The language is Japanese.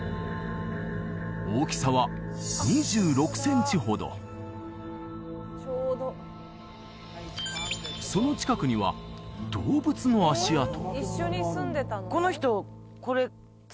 大きさは２６センチほどその近くには動物の足跡